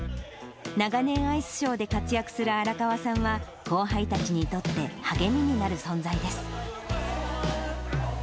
長年アイスショーで活躍する荒川さんは、後輩たちにとって励みになる存在です。